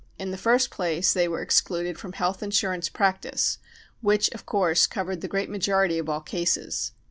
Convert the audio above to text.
In the first place they were excluded from Health Insur ance practice, which of course, covered the great majority of all cases.